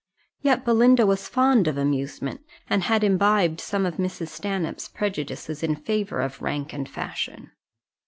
Yet Belinda was fond of amusement, and had imbibed some of Mrs. Stanhope's prejudices in favour of rank and fashion.